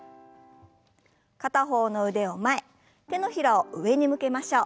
片方の腕を前手のひらを上に向けましょう。